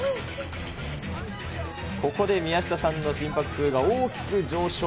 ここで宮下さんの心拍数が大きく上昇。